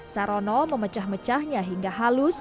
sarono memecah mecahnya hingga halus